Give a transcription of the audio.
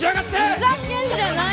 ふざけんじゃないよ！